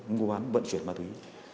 ngoan vận chuyển mà thúy